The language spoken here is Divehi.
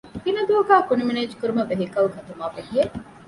ތިނަދޫގައި ކުނި މެނޭޖްކުރުމަށް ވެހިކަލް ގަތުމާއި ބެހޭ